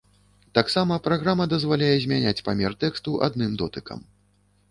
Таксама праграма дазваляе змяняць памер тэксту адным дотыкам.